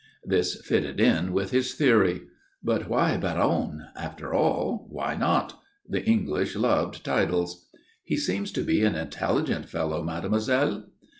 This fitted in with his theory. But why Baron? After all, why not? The English loved titles. "He seems to be an intelligent fellow, mademoiselle."